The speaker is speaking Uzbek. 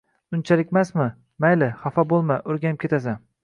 Unchalikmasmi? Mayli, xafa boʻlma, oʻrganib ketasan.